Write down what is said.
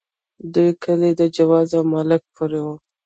دوه کلي د جوزه او ملک پور وو.